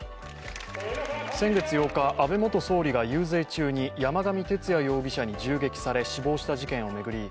先月８日、安倍元総理が遊説中に山上徹也容疑者に銃撃され死亡した事件を巡り